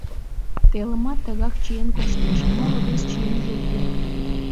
Телымат тыгак чиен коштеш, моло-вес чиемже уке.